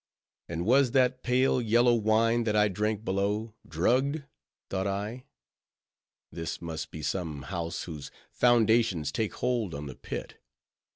And was that pale yellow wine, that I drank below, drugged? thought I. This must be some house whose foundations take hold on the pit.